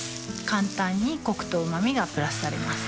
簡単にコクとうま味がプラスされます